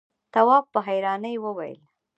تواب په حيرانۍ وويل: